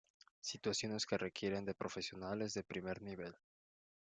Situaciones que requieren de profesionales de primer nivel.